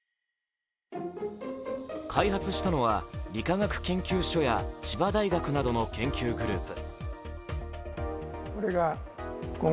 それが開発したのは理化学研究所や千葉大学などの研究グループ。